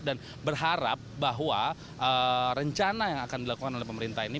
dan berharap bahwa rencana yang akan dilakukan oleh pemerintah ini